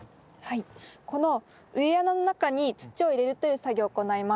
この植え穴の中に土を入れるという作業を行います。